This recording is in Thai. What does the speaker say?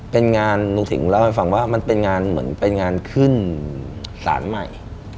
เป็นงานลุงสิงห์เล่าให้ฟังว่ามันเป็นงานเหมือนเป็นงานขึ้นศาลใหม่